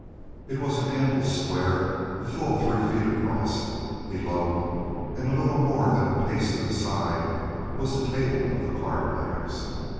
It was an ample square, a full three feet across. Below, and a little more than a pace to the side, was the table of the cardplayers.